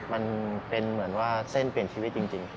มันเป็นเหมือนว่าเส้นเปลี่ยนชีวิตจริง